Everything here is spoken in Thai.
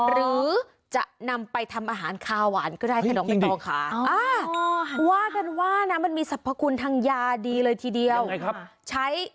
หรือจะนำไปทำอาหารคาหวานก็ได้จริงด้วยค่ะ